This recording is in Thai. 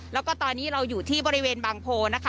แล้วก็ตอนนี้เราอยู่ที่บริเวณบางโพนะคะ